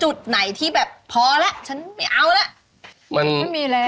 จุดไหนที่แบบพอแล้วฉันไม่เอาแล้ว